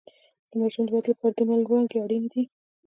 د ماشوم د ودې لپاره د لمر وړانګې اړینې دي